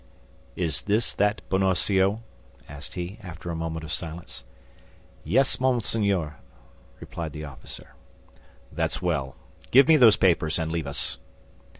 "Is this that Bonacieux?" asked he, after a moment of silence. "Yes, monseigneur," replied the officer. "That's well. Give me those papers, and leave us."